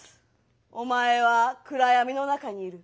「お前は暗闇の中にいる」